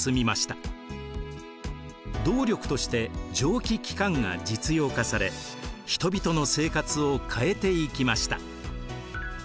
動力として蒸気機関が実用化され人々の生活を変えていきました。